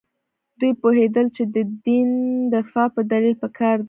دوی پوهېدل چې د دین دفاع په دلیل پکار ده.